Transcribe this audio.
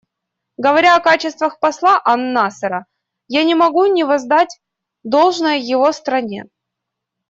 Говоря о качествах посла ан-Насера, я не могу не воздать должное его стране.